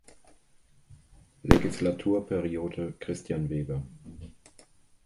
Legislaturperiode, Christian Weber.